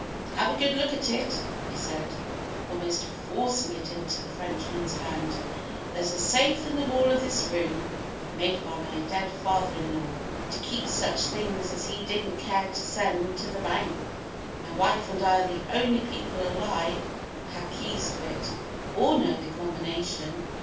"Have a good look at it," he said, almost forcing it into the Frenchman's hand. "There's a safe in the wall of this room, made by my dead father in law, to keep such things as he didn't care to send to the bank. My wife and I are the only people alive who have keys to it, or know the combination.